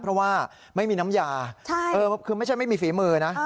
เพราะว่าไม่มีน้ำยาคือไม่ใช่ไม่มีฝีมือนะ